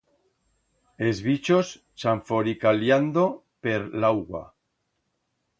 Es bichos chanforicaliando per l'augua.